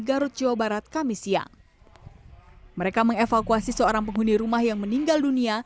garut jawa barat kami siang mereka mengevakuasi seorang penghuni rumah yang meninggal dunia